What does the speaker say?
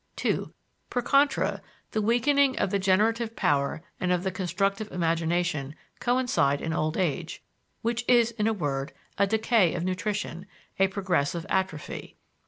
(2) Per contra, the weakening of the generative power and of the constructive imagination coincide in old age, which is, in a word, a decay of nutrition, a progressive atrophy.